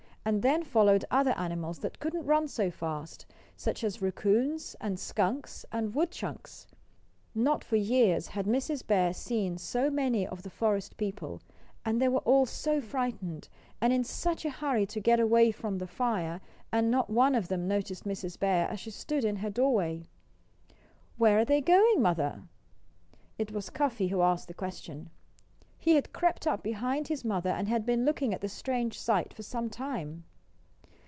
And then followed other animals that couldn't run so fast such as raccoons, and skunks, and woodchucks. Not for years had Mrs. Bear seen so many of the forest people and they were all so frightened, and in such a hurry to get away from the fire, that not one of them noticed Mrs. Bear as she stood in her doorway. "Where are they going, Mother?" It was Cuffy who asked the question. He had crept up behind his mother and had been looking at the strange sight for some time.